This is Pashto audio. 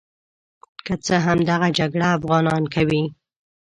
که څه هم دغه جګړه افغانان کوي.